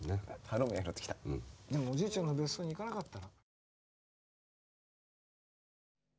でもおじいちゃんの別荘に行かなかったら。